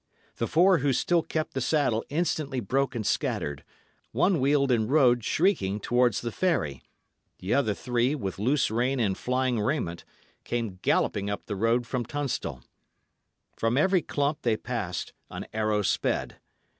The four who still kept the saddle instantly broke and scattered; one wheeled and rode, shrieking, towards the ferry; the other three, with loose rein and flying raiment, came galloping up the road from Tunstall. From every clump they passed an arrow sped.